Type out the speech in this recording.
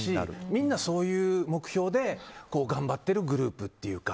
みんなそういう目標で頑張ってるグループというか。